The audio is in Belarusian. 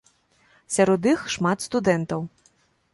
Сярод іх шмат студэнтаў.